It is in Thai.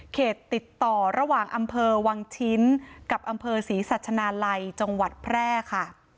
ติดต่อระหว่างอำเภอวังชิ้นกับอำเภอศรีสัชนาลัยจังหวัดแพร่ค่ะ